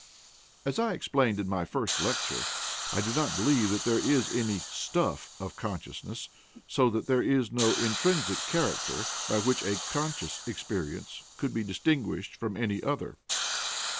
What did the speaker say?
And, as I explained in my first lecture, I do not believe that there is any "stuff" of consciousness, so that there is no intrinsic character by which a "conscious" experience could be distinguished from any other.